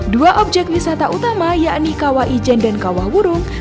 dua objek wisata utama yakni kawah ijen dan kawah burung